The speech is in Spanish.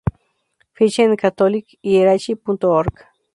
Ficha en catholic-hierarchy.org